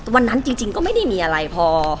วันนั้นจริงก็ไม่ได้มีอะไรพอ